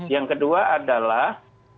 yang kedua adalah